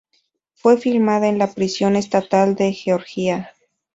Fue filmada en la Prisión Estatal de Georgia.